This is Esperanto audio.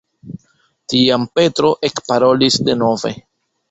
Tiam Petro ekparolis denove.